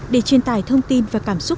để truyền tải thông tin và cảm xúc